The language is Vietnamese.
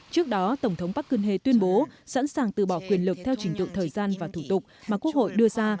trước đó tổng thống park geun hye tuyên bố sẵn sàng từ bỏ quyền lực theo chỉnh tượng thời gian và thủ tục mà quốc hội đưa ra